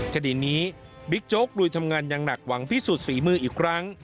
คดีนี้บิ๊กโจ๊กลุยทำงานอย่างหนักหวังพิสูจน์ฝีมืออีกครั้ง